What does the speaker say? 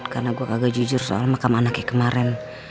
karena gue kagak jujur soal makam anaknya kemaren